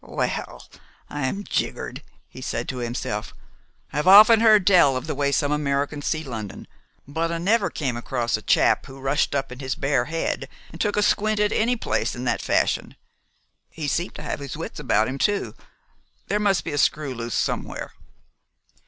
"Well, I'm jiggered!" he said to himself. "I've often heard tell of the way some Americans see London; but I never came across a chap who rushed up in his bare head and took a squint at any place in that fashion. He seemed to have his wits about him too; but there must be a screw loose somewhere."